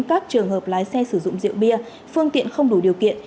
các trường hợp lái xe sử dụng rượu bia phương tiện không đủ điều kiện